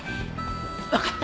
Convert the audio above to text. わかった。